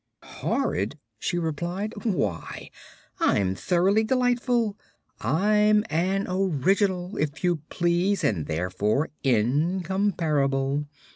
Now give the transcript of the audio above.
"Horrid?" she replied. "Why, I'm thoroughly delightful. I'm an Original, if you please, and therefore incomparable.